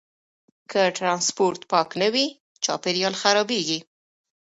که ټرانسپورټ پاک نه وي، چاپیریال خرابېږي.